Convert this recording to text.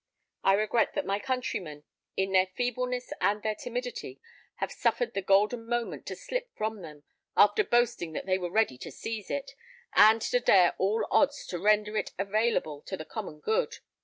I regret that my countrymen, in their feebleness and their timidity, have suffered the golden moment to slip from them, after boasting that they were ready to seize it, and to dare all odds to render it available to the common good.